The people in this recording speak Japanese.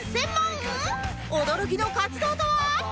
驚きの活動とは？